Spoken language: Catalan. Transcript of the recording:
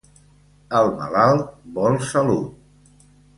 El malalt vol salut.